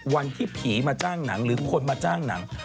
วันที่ผีมาจ้างหนังหรือคนมาจ้างหนัง